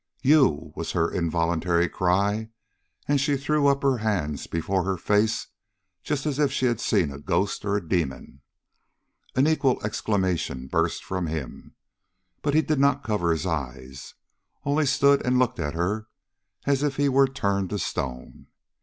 'You!' was her involuntary cry, and she threw up her hands before her face just as if she had seen a ghost or a demon. An equal exclamation burst from him, but he did not cover his eyes, only stood and looked at her as if he were turned to stone.